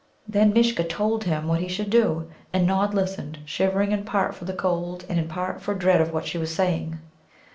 Then Mishcha told him what he should do. And Nod listened, shivering, in part for the cold, and in part for dread of what she was saying.